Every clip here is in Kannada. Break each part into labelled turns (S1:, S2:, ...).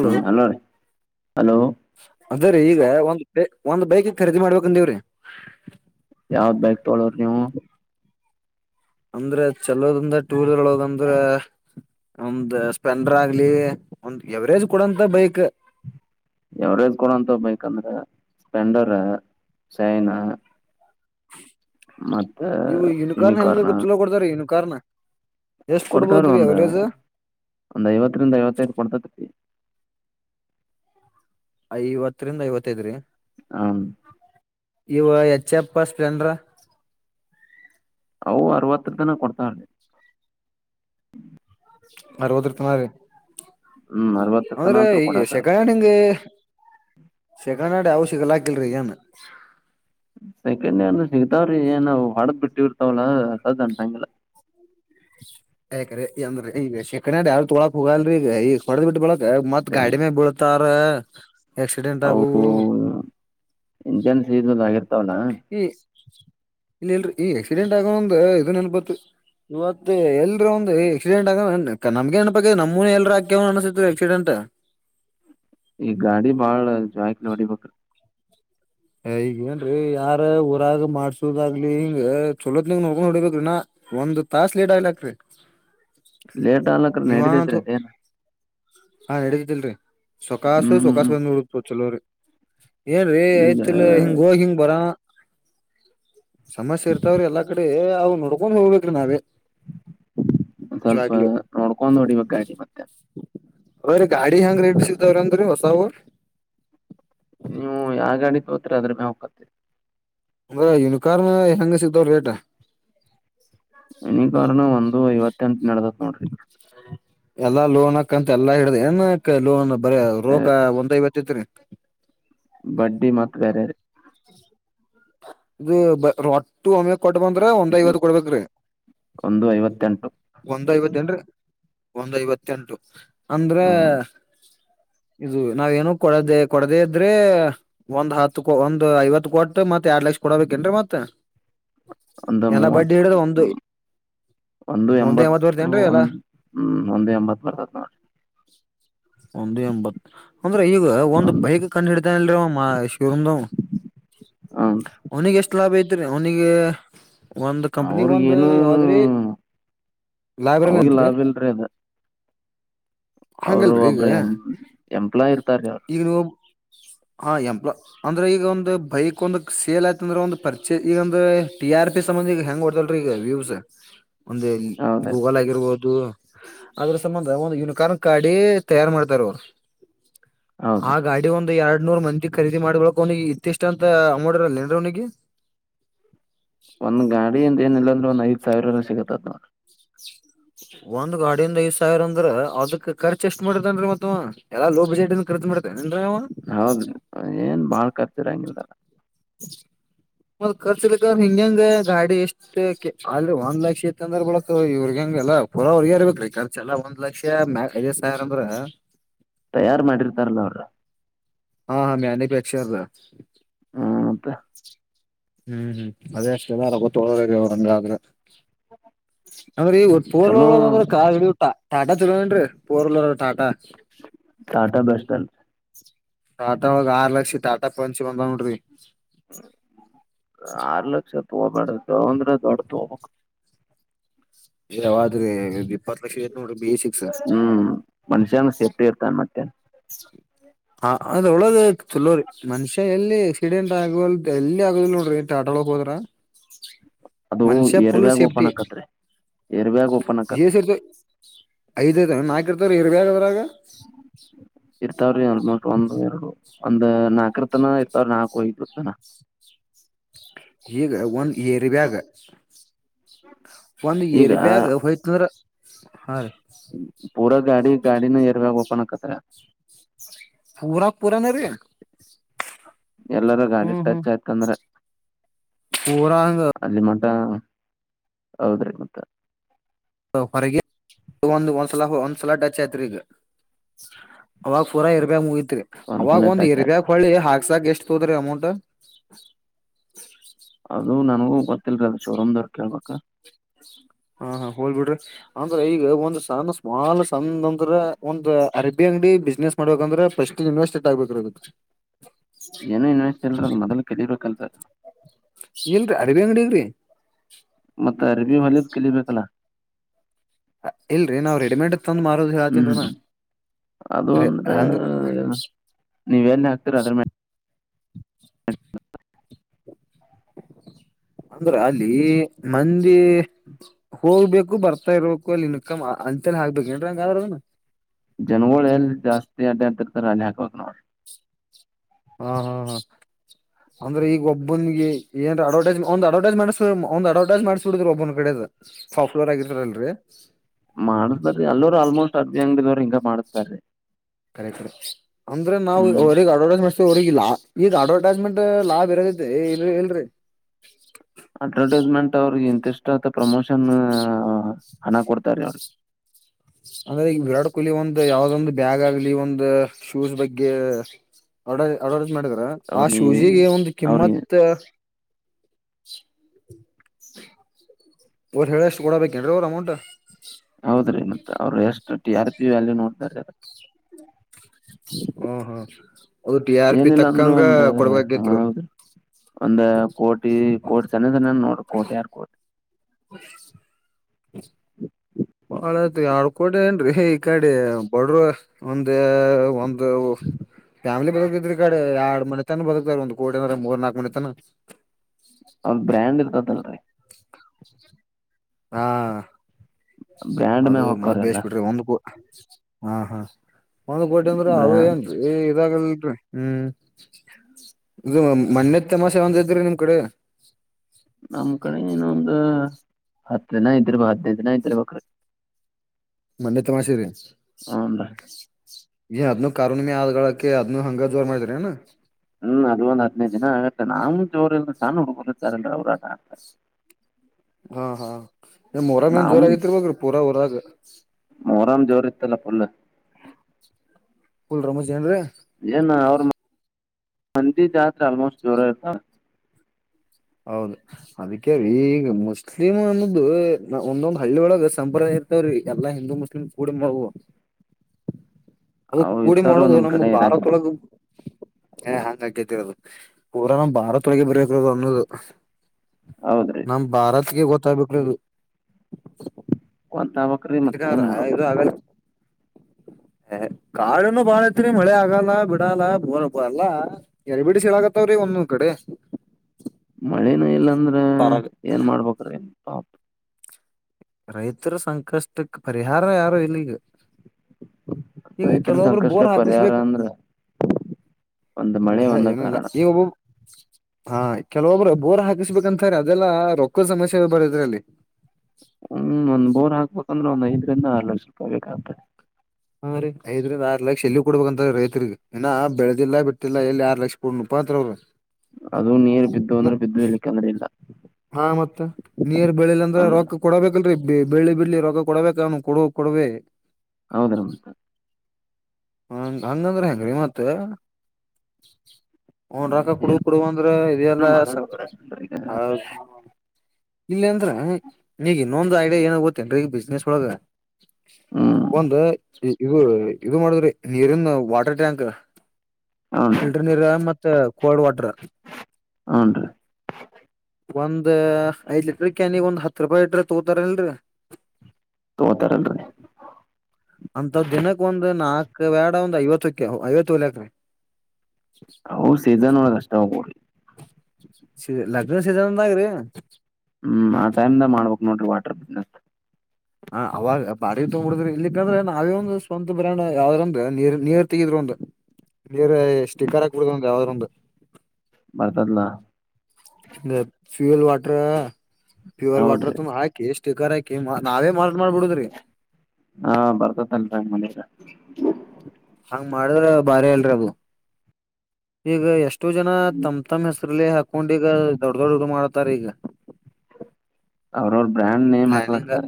S1: ಹ್ಮ್ ಹಲೋ ರೀ ಹಲೋ
S2: ಅದೇ ರೀ ಈಗ ಒಂದ ಒಂದ್ ಬೈಕಿಗೆ ಖರೀದಿ ಮಾಡ್ಬೇಕಂದವ್ರಿ
S1: ಯಾವ್ದ್ ಬೈಕ್ ತೊಳೋ್ರ ನೀವು
S2: ಅಂದ್ರೆ ಚಲೋದಿಂದ ಟೂರ್ ಹೇಳೋದಂದ್ರೆ ಒಮಂದು್ ಸ್ಪ್ಲೆಂಡರ್ ಆಗ್ಲಿ ಒಂದ್ ಎವರೇಜ್ ಕೊಡಂತ ಬೈಕ್
S1: ಯರೇದ್ ಕೊಡೋಂಂತ ಬೈಕ್ ಅಂದ್ರೆ ಸ್ಪ್ಲೆಂಡರ್ ಚೈನಾ
S2: ಇವು ಯನು ಕಾರ್ನ್ ಹೆಂಗಬೇಕು ಚಲೋ ಕೊಡ್ತಾರ ಇನು ಕಾರಾರ್ನ್
S1: ಕೊಡ್ತವ್ರೀ ಒಂದ ಒಂದ್ ಐವತ್ತರಿಂದ ಐವತ್ತೈಕ ಕೊಡ್ತತಿೀ
S2: ಐವತ್ತರಿಂದ ಐವತ್ತೈದ್ರೀ
S1: ಹ
S2: ಇವ ಹೆಚ್ ಎಪ್ಪ ಸ್ಪ್ಲೆಂಡ್ರ
S1: ಅವು ಅರವತ್ತರ ತನ ಕೊಡ್ತಾರಿ
S2: ಅರವತ್ತುರ ತನ ರಿ
S1: ಹ್ಮ್ ಅರವತ್ತರ ತನ
S2: ಅಂದ್ರೆ
S1: ಅಂತ್ರು
S2: ಈಗ
S1: ಕೊಡತಾರ
S2: ಶಖಾಯಣಂಗೆ ಶ ಸೆಕೆಂಡ್ ಹ್ಯಾಂಡ್ ಯಾವು ಸಿಗಲಾಕಿಲ್ಲ ರಿ ಈಗ ಏನೂ
S1: ಸೆಕೆಂಡ್ ಇರ್ ಸಿಗ್ತಾವ್ರಿ ಏನ್ವು ಹೊಡದ್ ಬಿಟ್ಟಿ ಇರ್ತಾವಲ್ಲ ಸ ಜಂಟಂಗಲ್ಲ
S2: ಯಏಕ್ರ ಅಏ್ರ ಈಗ ಶಕ್ಕಣ ಅ ಯ್ರ ತೊಳಕ್ ಹೋಗಲ್ರಿ ಈಗ ಹೊಡದ್ ಬಿಟ್ಟ ಬಳಕ್ ಮತ್ ಗಾಡಿ ಮೇ ಬೀಳ್ತಾರ ಆಕ್ಸಿಡೆಂಟ್
S1: ಅವು
S2: ಆಗುವು
S1: ಇಂಜನ್ ಸದ ಆಗರ್ತ
S2: ಈ ಇಲ್ಲಲ್ರರಿ ಈ ಆಕ್ಸಿಡೆಂಟ್ ಆಗೋ ಒಂದ ಇದ ನೆನಪತ್ ಇವತ್ತ ಎಲ್ರೂ ಒಂದು ಎಕ್ಸಿಡೆಂಟ್ ಆಗ ನಮ್ಗೆ ನೆನಪಾಗ ನಮ್ಮನನೆ ಎಲ್ರು ಆಕ್ಯವ್ ಅನಸತ್ರು ಎಕ್ಸಿಡೆಂಟ್
S1: ಈ ಗಾಡಿ ಬಾಳ ಜಾಯ್ಕಲ ಒಡಿ ಬಕ
S2: ಈಗ ಏನ್ರೀ ಯಾರ ಊರಾಗ ಮಾಡ್ಸೋದಾಗ್ಲಿ ಹಿಂಗ ಚೊಲೋತ್ನಂಗ ನೋಡ್ಕೊಂಡ್ ಹೊಡಿಬೇಕ್ರೀನಾ ಒಂದು ತಾಸ ಲೇಟ್ ಆಗ್ಲಕ್ರಿ
S1: ಲೇಟ್ ಆಗ್ಲಕ್ರ ನಡಿದಿದ್ರ ಅದೇನ
S2: ಹಾ ನಡಗಿದ್ದಿಲ್ರರಿ ಸೊಕಾಸು ಸೊಕಾಸು ಬಂದ ನಡ ಚಲೋ್ರಿ ಏನ್ರರಿ
S1: ಈಗ
S2: ಐತಿಲ್ ಹಿಂಗ ಹೋಗಿ ಹಿಂಗ್ ಬರ ಸಮಸ್ಯೆ ಇರ್ತಾವ್ರಿ ಎಲ್ಲಾ ಕಡೆ ಅವ ನೋಡ್ಕೊಂಡ್ ಹೋಗ್ಬೇಕ್ರಿ ನಾವೇ
S1: ಸ್ವಲ್ಪ
S2: ನಿಜವಾಗ್ಲಿ
S1: ನೋಡ್ಕೊಂಡ್ ಹೊಡಿ
S2: [unintelligible] ಗಾಡಿ ಹೆಂಗ್ ರೆಡ್ಸಿದವ್ರಂದ್ರೀ ಹೊಸವು
S1: ನೀವು ಯಾವ ಗ ಅಡಿ ತೋತ್ರ ಅದ್ರ ಮೇ ಹಕತ್ತ
S2: ಅಂದ್ರ ಯುನಿಕಾರ್ಮ್ ಹೆಂಗ ಸಿಗತವ ರೇಟ
S1: ಯುನಿ ಕಾರ್ನ್ ಒಂದು ಐವತ್ತೆಂಟು ನಡದತ್ ನೋಡ್ರಿ
S2: ಎಲ್ಲಾ ಲೋನ್ ಹಕ್ಕಂತ ಎಲ್ಲಾಿಡ್ದ್ ಏನ್ ಲೋನ್ ಬರ ರೋಕ ಒಂದೈಐವತ್ತತ್ರಿ
S1: ಬೈರೇ
S2: ಇದು ರೊಟ್ಟು ಆಮೇ ಕೊಟ್ ಬಂದ್ರ ಒಂದ್
S1: ಇದು
S2: ಐವತ್ ಕೊಡ್ಬೇಕೇ್ರಿ
S1: ಒಂದು ಐವತ್ತೆಂಟು
S2: ಒಂದ್ ಐವತ್ತ ಏನ್ೀ ಒಂದ್ ಐವತ್ತೆಂಟು ಅಂದ್ರ
S1: ಹ್ಮ
S2: ಇದು ನಾವೇಏನು ಕೊಡದೆೇ ಕೊಡದೇ ಇದ್ರೆ ಒಂದ್ ಹತ್ತು ಒಂದ್ ಐವತ್ತು ಕೋಟ್ ಮತ್ತ ಎರಡ್ ಲಕ್ಷ [unintelligible] ಮತ್ತ
S1: ಒಂದು
S2: ಎಲ್ಲಾ
S1: ಮೂವತ್
S2: ಬಡ್ಡಿ ಹಿಡ್ಡ್ ಒಂದು
S1: ಒಂದು
S2: ಎಂಬತ್
S1: ಎಂಬತ್ತು
S2: ಬರ್ತೇನ್ರಿ ಎಲ್ಲಾ
S1: ಒಂದು ಹ್ಮ್ ಒಂದು ಎಂಬತ್ ಬರ್ತಾತ
S2: [inaudible] ಒಂದು ಎಂಬತ್ ಅಂದ್ರೆ ಈಗ ಒಂದು ಬೈಕ್ ಕಂಡ ಹಿಡತಾನಲ್ರಿವ ಮಾ ಶಿವುಂದು
S1: ಹಾ
S2: ಎಷ್ಟ್ ಲಾಭ ಐತ್ರಿ ಅವ್ನಿಗೆ ಒಂದ್ ಕಂಪನಿ ಒಂದು
S1: ಅವ್ರಿಗೇನು
S2: ಯಾವದಿ [unintelligible]
S1: ಅವ್ರಿಗ
S2: ಎಂತ ರೀ
S1: ಲಾಭ ಇಲ್ರಿ ಅದ ಅವರು
S2: ಹಂಗಲ್ರಿ ಈಗ
S1: ಒಬ್ರ ಎಂ ಎಂಪ್ಲಾಯ್ ಇರ್ತಾರೀ ಅವ್ರು
S2: ಈಗ ನೀಬ್ ಹ ಎಂಪ್ಲ ಅಂದ್ರೆ ಈಗ ಒಂದು ಬೈಕ್ ಒಂದ ಸೇಲ್ ಆ [unintelligible] ಒಂದು ಪರ್ಚೆಸ್ ಈಗ ಒಂದು ಟ ಆರ್ ಪಿ ಸಂಬಂ ಈಗ ಹೆಂಗ್ ಹೊಡತಲ್ರೀ ಈಗ ಯೂಸಾ ಒಂದು
S1: ಹೌದ
S2: ಗೂಗಲ್ ಆಗಿರಬಹದು ಹೂ ಅದ್ರ ಸಂಬಂಧ ಒಂದು ಯುನಿಕಾರ್ನ್ ಕಾಡಿ ತಯಾರ್ ಮಾಡ್ತಾರ ಅವರು
S1: ಹೌದ
S2: ಆ ಗಾಡಿ ಒಂದ್ ಎರಡ್ ನೂರ್ ಮಂದಿ ಖರೀದಿ ಮಾಡ್ಬಳಕ್ ಅವನಿಗೆ ಇತ್ತಿಷ್ಟ ಅಂತ ಅಮೌಂಟ್ ಇರಲ್ಲ ಅಂದ್ರ ಅವನಿಗೆ [unintelligible]
S1: ಒಂದ್ ಗಾಡಿ ಅಂದ ಏನಿಲ್ಲ ಅಂದ್ರೆ ಒಂದ್ ಐದ ಸಾವಿರ ಸಿಗತ್ತದ ನೋಡ್ರೀ
S2: [inaudible] ಒಂದ್ ಗಾಡಿಯಿಂದ ಇದು ಸಾವಿರ ಅಂದ್ರ ಅದಕ್ ಖರ್ಚ್ ಎಷ್ಟ ಮಾಡಿದನ್ ಅವ ಮತ್ತ ಎಲ್ಲಾ ಲೋ ಬಜೆಟ್ ಇಂದ ಖರ್ಚು ಮತ್ತೆ.
S1: ಹೌದ್ರಿ ಏನ್ ಬಾಳ್ ಕರ್ತಿರಂಗಿಲ್ಲ. [inaudible]
S2: ಮತ್ತ ಖರ್ಚಲಿಕ್ಕ ಹಿಂಗಗೆಂಗ ಗಾಡಿ ಎಷ್ಟ ಅಲ್ಲಿ ಒಂದ್ ಲಕ್ಷ ಐತ್ತ ಅಂದ್ರ ಬಳಿಕ [unintelligible] [unintelligible] ಖರ್ಚ ಎಲ್ಲ ಒಂದ್ ಲಕ್ಷ ಐದ್ ಸಾವಿರ ಅಂದ್ರ
S1: ತಯಾರ್ ಮಾಡಿರ್ತಾರಲ್ಲ ಅವ್ರ.
S2: ಹಾ ಹಾ ಮ್ಯಾನಿಪೆಕ್ಷರ್.
S1: ಹ್ಮ್ ಮತ್ತೆ.
S2: ಹ್ಮ್ ಹ್ಮ್ ಅದೇ [unintelligible] ಅಂದ್ರೆ ಈ ಪೂರ್
S1: ಚಲೋ
S2: ಅಂದ್ರೆ ಕಾಗಡಿ ಊಟ. ಟಾಟಾ ಚಲೋ ಎನ್ ರಿ ಫೋರ್ವಿಲರ್ ಟಾಟಾ.
S1: ಟ್ರಾಟಾ ಬೆಸ್ಟ್ ಅಲ್ರೀ.
S2: ಟಾಟಾ ಈವಾಗ ಆರ್ ಲಕ್ಷ ಟಾಟಾ ಪಂಚಿ ಬಂದ ನೋಡ್ರಿ
S1: ಹೂ ಆರ ಲಕ್ಷ [unintelligible] ಅಂದ್ರೆ ದೊಡ್ಡದು ತಗೋಬೇಕ್.
S2: ಯಾವಾದ್ರೆ ಇಪ್ಪತ್ತು ಲಕ್ಷ ಐತ ನೋಡ್ ಬಿ ಏ ಸಿಕ್ಸ್.
S1: ಹ್ಮ್ ಮನುಷ್ಯನ ಸೇಫ್ಟಿ ಇರ್ತಾನ ಮತ್ತೆ
S2: ಹಾ ಅದ [unintelligible] ಚಲೋರಿ. ಮನುಷ್ಯ ಎಲ್ಲಿ ಎಕ್ಸಿಡೆಂಟ್ ಆಗುವಲ್ ಎಲ್ಲಿ ಆಗುದಿಲ್ಲ ನೋಡ್ರಿ ಟಾಟಾ ಒಳಗ್ ಹೋದ್ರ
S1: ಅದು
S2: ಮನುಷ್ಯ
S1: air
S2: full
S1: bag open
S2: safety [unintelligible]
S1: ಆಕತ್ರಿ ಏರ್ ಬ್ಯಾಗ್ ಓಪನ್ ಆಕತಿ
S2: [unintelligible] ನಾಲ್ಕು ಇರ್ತವ್ರ ಇರ್ಬೇಕದ್ರಗ.
S1: ಇರ್ತಾವ್ರ ಆಲ್ಮೋಸ್ಟ್ ಒಂದು ಎರಡು ಒಂದ್ ನಾಲ್ಕರರ್ತನ ಇತಾವ್ರ ನಾಲ್ಕು ಐರ್ತನ ನಾಲ್ಕಟ್ಟರ್
S2: ಈಗ ಒಂದು ಇಯರ್ ಬ್ಯಾಗ ಒಂದು
S1: ಈಗ
S2: ಏರಿ ಬ್ಯಾಗ್ ಹೋಯ್ತ ನ್ರ ಹಾ ರೀ
S1: ಪೂರಾ ಗಾಡಿ ಗಾಡಿನು ಏರ್ಬ್ಯಾಗ್ ಓಪನ್ ಅಕ್ತತೆ
S2: ಪೂರಾ ಪೂರಾನ ರೀ
S1: ಎಲ್ಲರ ಗಾಡಿ
S2: ಹ್ಮ್ ಹ್ಮ್
S1: ಟಚ್ ಆಯ್ತಂದ್ರೆ
S2: ಪೂರಾ ಹಂಗ
S1: ಅಲ್ಲಿ ಮಾಡ ಹಾ ಹೌದ್ರಿ ಮತ್ತೇ.
S2: ಹೊರಗೆ ಒಂದು ಒಂದ್ಸಲ ಒಂದ್ಸಲ ಡಚ್ ಆತ್ರೀ ಈಗ. ಅವಾಗ ಪೂರಾ ಇರ್ಬೇ ಮುಗ
S1: ಒಂದ್ಸಲ ಟಚ್ ಆಯ್ತ
S2: [unintelligible]
S1: ಅದು ನನಗೂ ಗೊತ್ತಿಲ್ರಿ ಅದು ಶೋರೂಮದವರ್ ಕೇಳ್ಬೇಕ.
S2: ಹಾ ಹ ಹೋಗ್ ಬಿಡ್ರೀ ಅಂದ್ರ ಈಗ ಒಂದ್ ಸಣ ಸ್ಮಲ್ ಸಣ್ ಅಂದ್ರ ಒಂದ ಅರಬ್ಬಿ ಅಂಗಡಿ ಬಿಸ್ನೆಸ್ ಮಾಡಬೇಕ ಅಂದ್ರೆ ಫಸ್ಟ್ ಇನ್ವೆಸ್ಟ್ ಎಸ್ಟ್ ಆಕ್ಬೇಕ್ರಿ.
S1: ಏನೂ ಇನ್ವೆಸ್ಟ್ [unintelligible] ಮೊದ್ಲು ಕಲಿಬೇಕೆಲ್ಲ.
S2: ಇಲ್ರರಿ ಅಡಿಬ ಅಂಗಡಿಗ್ರಿ
S1: ಮತ್ತೆ ಅರಬಿ ಮಲ ಕಲಿಬೇಕಲ್ಲಾ
S2: ಇಲ್ರರಿ ನಾವ್ ರೆಡಿಮೇಡ್ ಇತ್ತಂದು ಮಾರದು
S1: ಹ್ಮ್
S2: ಹೇಳ್ತನ್ರನಾ
S1: ಅದು ಅಂದ್ರೆ ನೀವಲ್ಲಿ ಹಾಕ್ತಿರ ಅದ್ರ ಮೇಲೆ
S2: ಅರಬ್ಬಿ ಅಂದ್ರ ಅಲ್ಲಿ ಮಂದಿ ಹೋಗ್ಬೇಕು ಬರ್ತಾ ಇರ್ಬೇಕು ಅಲ್ಲಿ ಇನ್ಕಮ್ ಅಂತೆಲ್ಲ ಹಾಕ್ಬೇಕು ಏನ್ ಹಂಗ ಅಾರದ
S1: ಜನಗಳಎಲ್ಲಿ ಜಾಸ್ತಿ ಅಡ್ಡ ಅಂತಿರ್ತಾರ ಅಲ್ಲಿ ಹಾಕ್ಬೇಕಕ್ ನೋಡ್ರಿ
S2: ಹ್ಮ ಹ್ಮ ಹ್ಮ್ ಅಂದ್ರೆ ಈಗ ಒಬ್ಬನ್ಗೆ ಏನ್ ಅಡ್ವರ್ಟೈಸ್ ಒಂದ ಅಡ್ವರ್ಟೈಸ್ ಒಂದು ಅಡ್ವರ್ಟೈಸ್ೆಟ್ಡಿದ್ರ ಒಬ್ಬನ ಕಡೆ ಸಾಫ್ಲೋರ್ ಆಗಿರ್ತಾರಲ್ರರಿ
S1: ಮಾಡತಾರೀ ಅಲ್ಲರು ಆಲ್ಮೋಸ್ಟ್ ಅರ್ವಿ ಅಂಗಡವ್ರ ಹಿಂಗ ಮಾಡತಾರೀ
S2: ಕರೆಕ್ರೆ ಅಂದ್ರೆ ನಾವು ಅವರಗ್ ಅಡವಡ ಮಾಡೆಸ ಹೊಗಿಲ್ಲಲ್ಲ ಈಗ ಅಡ ಅ್ಮೆಂಟ್ ಲಾಭ ಇರೋದ ಇ ಹೇಳರಿ
S1: ಅಡ್ವರ್ಟೈಸ್ಮೆಂಟ್ ಅವ್ರಿಗೆ ಇಂತಿಷ್ಟಥ ಪ್ರಮೋಷನ್ ಹಣ ಕೊಡ್ತಾರೆ ಅವ್ರಿಗೆ ಹಃ
S2: ಅಂದ್ರೆ ಈಗ ವಿರಾಟ್ ಕೊಹ್ಲಿ ಒಂದು ಯಾವ್ದೊಂದು ಬ್ಯಾಗ್ ಆಗ್ಲಿ ಒಂದು ಶೂಸ್ ಬಗ್ಗೆ ಆಡ ಆರ್ಡ ಮಾಡಿದಾರ ಆ
S1: ಅವ್ರಿಗೆ
S2: ಶೂಜಿಗೆ ಒಂದು
S1: ಅವ್ರಿಗೆ
S2: ಕಿಮ್ಮತ್ ಯಾಕ್ ಅವರ್ ಹೇಳಷ್ಟ ಕೊಡಬೇಕೇನ್ರೀ ಅವರ್ ಅಮೌಂಟ್
S1: ಹೌದ್ರಿ ಮತ್ತೆ ಅವರು ಎಷ್ಟು ಟಿ ಆರ್ ಪಿ ವ್ಯಾಲ್ಯೂ ನೋಡ್ದಾರ
S2: ಹಓ ಹ್ಮ ಅದು ಟಿ ಆರ್ ಪಿ
S1: ಏನಿಲ್ಲ
S2: ತಕ್ಕಂಗ ಕೊಡ್ಬೇಕೇತ್ ಅವ
S1: ಒಂದ ಕೋಟಿ ಕೋಟಿ ಸನ ಜನ ನೋಡು ಕೋಟಿ ಯಾರ ಕೋಟಿ ಹ್
S2: ಹಳತ್ ಆಡ್ಕೋಡ ಏನ್ ಈ ಕಡೆ ಬಡ್ರ ಒಂದ ಒಂದು ಫ್ಯಾಮಿಲಿ ಬದಕಿದ್ರಿ ಕಡೆ ಎರಡ್ ಮನೆ ತನ ಬದುಕ್ತಾರ ಒಂದು ಕೋಡ ಅಂದ್ರ ಮೂರ್ ನಾಕಕ್ ಮನ ತನ
S1: ಅವದ ಬ್ರ್ಯಾಂಡ್ ಇರ್ತದಲ್ರರಿ
S2: ಹಾ
S1: ಬ್ರ್ಯಾಂಡ್
S2: ಅದು
S1: ಮ್ಯಾಗ
S2: ಮ
S1: ಹೊಕ್ಕವ್ರೆಲ್ಲ
S2: ಬೇಯಸ್ಬಿಟ್ರಿ ಒಂದು ಹಾ ಹಾ ಒಂದ್ ಕೋಟಿ ಅಂದ್ರೆ ಅವು
S1: ಬ್ರ್ಯಾಂಡ್
S2: ಈ ಇದಾಗಲ್ರಿ ಹ್ಮ್ ಇದು ಮಣ್ಣ ತಮಾಷೆ ಒಂದ ಇದ್ರಿ ನಿಮ್ ಕಡೆ
S1: ನಮ್ ಕಡೆ ನೀನ ಒಂದು ಹತ್ತು ಜನ ಇದ್ದಿರ್ಬ ಹದ್ನದು ಜನ ಇದ್ದಿರ್ಬೇಕ್ರೀ
S2: ಮನ್ನೆ ತಮಶೆ ರೀ
S1: ಹೂನ್ರಿ
S2: ಅದ್ನು ಕಾರಣಮೆ ಆದಳಕ್ಕೆ ಅದ್ನು ಹಂಗ ಜೋರ್ ಮಾಡಿದ್ರಏನಾ
S1: ಹ್ಮ್ ಅದ ಒಂದ್ ಹದ್ನದು ದಿನ ಆಗತ್ತೆ ನ ಜೋರ ಸಾನು ಹುಡುಕ ಇರ್ತಾರಲ್ ಅವ್ರು ಆಟ ಆಡ್ತಾರೆ
S2: ಹಾ ಹಾ ಏ ಮರ ಮೇನ್ ಜೋರ ಆಗತ್ರಿ ಬಾಗ್ರಿ ಪೂರಾ ಊರಾಗ
S1: ಮೋರಾಮ ಜೋರಿ ಇತ್ತಲ್ಲ ಪುಲ್ಲು
S2: ಲ್ ರೋಏನ್ರೀ
S1: ನ ಅವ ಮಂದಿ ಚಾತ ಆಲ್ಮೋಸ್ಟ್ ಜೋರತ
S2: ಹೌದು ಅದಕ್ಕೆ ಈಗ ಮುಸ್ಲಿಮ್ ಅನ್ನೋದು ಒಂದೊಂದ್ ಹಳ್ಳಿಳಗೆ ಸಂಪ್ರದಾಯ ಇರ್ತವ್ರಿ ಎಲ್ಲಾ ಹಿಂದೂ ಮುಸ್ಲಿಮ್ ಕೂಡಿ ಮಳು ಅದು
S1: ಅವು
S2: ಪೂಡಿ
S1: ಇತ್ತವ್ರ
S2: ಮಾಡೋದು
S1: ಒಂದೊಂದ್
S2: ನಮ್ದ
S1: ಕಡೆ ಇರಂಗಿಲ್ಲ
S2: ಭಾರಕ್ಕೊಳಗ ಏ ಹಂಗತಿರೋದು ಪೂರ ನಮ್ಮ ಭಾರತ ಒಳಗೆ ಬರಬೇಕರೋದು ಅನ್ನೋದು
S1: ಹೌದ್ರಿ
S2: ನಮ್ ಭಾರತ್ಗೆ ಗೊತ್ತಾಗಬೇಕದು
S1: ಹ ಅಂತ ಅವಕ್ರೀ ಮತ್ತೆ ಏನ್ ಮಾಡೋದೆ
S2: ಹ ಕಾಡನು ಬಾಳಐತ್ರಿ ಮಳೆ ಆಗಲ್ಲ ಬಿಡಲ್ಲ ಬೋರ್ಬ್ಬ ಅಲ್ಲ ಎರಿ ಬಿಡ್ ಶೀಳಾಗತ್ತ ಮ್ರೆ ಒಂದೊ ಕಡೆ
S1: ಮಳೆನೂ ಇಲ್ಲಾಂದ್ರೆ
S2: ಪರಾಗ
S1: ಏನ್ ಮಾಡ್ಬೇಕ್ರೀ ಪ್
S2: ರೈತರ ಸಂಕಷ್ಟಕ್ಕೆ ಪರಿಹಾರ ಯಾರು ಇಲ್ಲಿಗ ಈಗ
S1: ರೈತರ
S2: ಕೆಲವೊಬ್ರು
S1: ಸಂಕಷ್ಟ
S2: ಬೋರ್
S1: ಪರಿಹಾರ
S2: ಹಾಕಿಸಬೇಕ
S1: ಅಂದ್ರ ಒಂದ್
S2: ಹ
S1: ಮಳೆ
S2: ಹ
S1: ಒಂದ
S2: ಏನ ಇಲ್ಲ
S1: ಕಾರಣ
S2: ಈ ಒಬ್ಬೊ ಹಾ ಕೆಲವೊಬ್ರು ಬೋರ್ ಹಾಕಿಸ್ಬೇಕಂತಾರೆ ಅದೆಲ್ಲಾ ರೊಕ್ಕದ ಸಮಸ್ಯೆ ಬರದ್ರ ಅಲ್ಲಿ
S1: ಹ್ಮ್ ಒಂದ್ ಬೋರ್ ಹಾಕ್ಬೋಂದ್ರೆ ಒಂದ್ ಐದರಿಂದ ಆರು ಲಷ ರೂಪಾಯಿ ಬೇಕಾಗ್ತದೆ
S2: ಹಾ ರರಿ ಐದರಿಂದ ಆರ್ ಲಕ್ಷ ಎಲ್ಲಿ ಕೊಡ್ಬೇಕ ಅಂತ ರೈತ್ರಿರಿಗೆ ಏನ ಬೆಳೆದಿಲ್ಲ ಬಿಟ್ಟಿಲ್ಲ ಎಲ್ಲಿ ಆರ್ ಲಕ್ಷ ಕ ಕೊಡ ಪಂರೂ ರ
S1: ಅದು ನೀರ್ ಬಿದ್ದು ಅಂದ್ರೆ ಬಿದ್ದು ಇಲಿಕ್ಕೆಂದ್ರೆ ಇಲ್ಲ
S2: ಹಾ ಮತ್ತೆ ನೀರ್ ಬೆಳಿಲ್ಲ ಅಂದ್ರೆ
S1: ಹೌದ್ರ
S2: ರೊಕ್ ಕೊಡಬೇಕಲ್ರರಿ ಬೆಳ್ಳಿ ಬೆಳ್ಳಿ ರೋಗ ಕೊಡಬೇಕನು ಕೊಡ ಕೊಡುವ
S1: ಹೌದ್ರಮ್ಮಂತ
S2: ಹ ನನ್ನಂದ್ರ ಹೆಂಗ್ರಿ ಮತ್ತ ಹನ್ ರಕ್ಕ ಕುಡು ಕುಡ ಅಂದ್ರ ಇಲ್ಲ
S1: ಏನು ಮಾಡಕ್ ಬರಲ್ಲ ಈಗ
S2: ಇಲ್ಲ ಅಂದ್ರ ಈಗ ಇನ್ನೊಂದು ಐಡಿಯಾ ಏನ ಗೊತ್ತೇನ್ ಈಗ ಬಿಸ್ನೆಸ್ ಒಳಗ
S1: ಹ್ಮ್
S2: ಒಂದ ಇದು ಇದು ಮಾಡುದ್ರಿ ನೀರನ್ನು ವಾಟರ್ ಟ್ಯಾಂಕ್ ಫಿಲ್ಟರ್ ನೀರ್ ಮತ್ತೆ ಕೋಲ್ಡ್ ವಾಟರ್
S1: ಹನ್
S2: ಒಂದ್ ಐದ್ ಲೀಟ್ರ ಕ್ಯನಗ ಒಂದ್ ಹತ್ ರೂಪಾಯಿ ಲಿಟ್ರ ತೊಗತಾರಲ್ರರಿ
S1: ತಗೋತಾರಲ್ರರಿ
S2: ಅಂತ ದಿನಕ್ಕೆ ಒಂದ ನಾಕು ಒಂದ್ ಐವತ್ತಕ್ಕೆ ಐವತ್ತು ಲ್ಕ್ರೀ
S1: ಹೌ ಸೀಜನ್ ಒಳ ಕಷ್ಟ ಹಬಿ
S2: ಲಗ್ನ ಸೀಸನ್ಂದ ಆಗ್ರಿ
S1: ಹ್ಮ್ ಆ ಸೈಮ್ದ ಮಾಡ್ಬಕ್ ನೋಡ್ರಿ ವಾಟರ್ ಬಿಸ್ನೆಸ್
S2: ಹ ಅವಾಗ ಬಾರಿ ತಗಬಡಿದ್ರಿ ಇಲ್ಲಿಕ್ಕಂದ್ರೆ ನಾವೇ ಒಂದಂದು ಸ್ವಂತ ಬ್ರಂಡ್ ಯಾವ್ದ್ರಂದ್ರ ನೀರ್ ನೀರ್ ತೆಗಿದ್ರು ನೀರ್ ಸ್ಟಕ್ಕರ್ ಹಾಕ್ಬಿಡುದ ಯಾವ್ದ ಒಂದು
S1: ಬರತದಲ
S2: ಇ ಫ್ಯೂಯಲ್ ವಾಟರ್ ಪ್ಯೂರ್ ವಾಟರ್
S1: ಹೌದ್ರಿ
S2: ತುಂಬ ಹಾಕಿ ಸ್ಟಿಕರ್ ಹಾಕಿ ನಾವೇ ಮಾರ ಮಾಡ್ಬಿಡುದ್ರಿ
S1: ಹಾ ಬರ್ತತನ್ರ ಮನಗ
S2: ಹಂಗ ಮಾಡುದ್ರ ಬಾರಿ ಅಲ್ರ ಅದು ಈಗ ಎಷ್ಟೋ ಜನ ತಮ್ ತಮ ಹೆಸರುಲ್ಲ ಹಾಕ ಹಕೊಂಡೀಗ ದೊಡ್ಡ ದೊಡ್ಡ ಮಾಡ್ತಾರ ಈಗ
S1: ಅವ್ರವ್ರ ಬ್ರ್ಯಾಂಡ್ ನೇಮ್ ಹಕಲತ ರ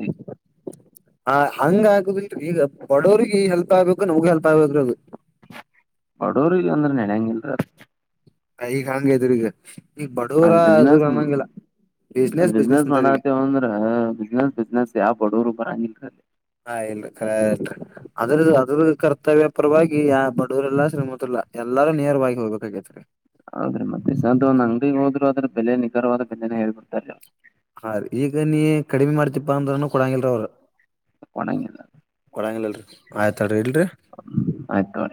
S2: ಹ ಹಂಗ ಹಾಕುದ ಈಗ ಬಡೋ್ರಿಗೆ ಹೆಲ್ಪ್ ಆಗ್ಬೇಕು ನವಗ್ ಹೆಲ್ಪ್ ಆಗ್ಬೇಕ್ರರು ಅದು
S1: ಮಾಡೋರಿಲ್ಲ ಅಂದ್ರೆನೆನಂಗಿಲ್ಲ ಅವರು
S2: [unintelligible]
S1: ಅಲ್
S2: ಅದ್ರ
S1: ಬ್ಯುಸಿನೆಸ್
S2: ಅನ್ನಂಗಿಲ್ಲ
S1: ಒಂದ್
S2: ಬಿಸ್ನೆಸ್ ಬಿಸ್ನೆಸ್
S1: ಬಬ್ಯುಸಿನೆಸ್
S2: ಅಂತಾರ ಈಗ
S1: ಮಾಡತ್ತೇವ ಅಂದ್ರ ಬ್ಯುಸಿನೆಸ್ ಬ್ಯುಸಿನೆಸ್ ಯಾವ ಬಡೂರು ಬರಂಗಿಲ್ಲ ಅಲ್ಲಿ
S2: ಹಾ ಇಲ್ಲ ರಕ ಅದ್ರದ ಅದ್ರದ ಕರ್ತವ್ಯ ಪರವಾಗಿ ಯಾವ್ ಬಡುರಿಲ್ಲ ಶ್ರೀಮಂತ್ರು ಇಲ್ಲ ಎಲ್ಲಾರು ನೇರವಾಗಿ ಹೋಗ್ಬೇಕಾಗಿತ್ರಿ
S1: ಆದ್ರೆ ಮತ್ತೆ ಸದ ಒಂದ್ ಅಂಗಡಿಗೆ ಹೋದ್ರು ಆದ್ರ ಬೆಲೆ ನಿಖರವಾದ ಬೆಲೆನ ಹೇಳ್ಬಿಡ್ತಾರ
S2: ಹಾ ಈಗ ನೀ ಕಡಿಮೆ ಮಾಡ್ತಿಪ್ಪಾ ಅಂದ್ರನುೂ ಕೊಡಂಗಲ್ರ ಅವರು
S1: ಕೊಣಂಗಲ್ಲ
S2: ಆಯ್ತ
S1: ಆಯ್ತು